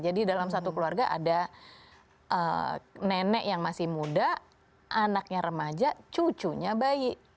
jadi dalam satu keluarga ada nenek yang masih muda anaknya remaja cucunya bayi